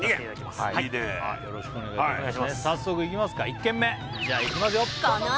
１軒目じゃあいきますよ